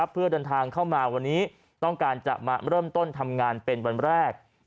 เพื่อเดินทางเข้ามาวันนี้ต้องการจะมาเริ่มต้นทำงานเป็นวันแรก